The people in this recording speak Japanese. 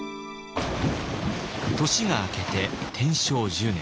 年が明けて天正１０年。